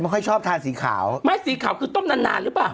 มันเป็นเพศของมันนี่เหรอ